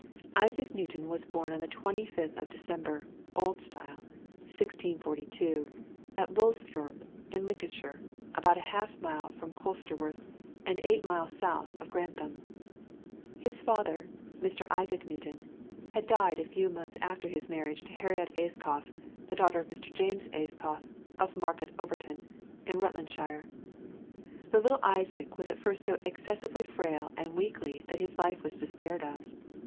Isaac Newton was born on the 25th of December (old style), 1642, at Woolsthorpe, in Lincolnshire, about a half mile from Colsterworth, and eight miles south of Grantham. His father, Mr. Isaac Newton, had died a few months after his marriage to Harriet Ayscough, the daughter of Mr. James Ayscough, of Market Overton, in Rutlandshire. The little Isaac was at first so excessively frail and weakly that his life was despaired of.